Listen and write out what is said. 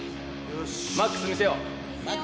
マックス見せよう。